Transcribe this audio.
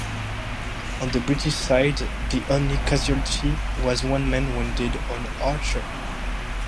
On the British side the only casualty was one man wounded on "Archer".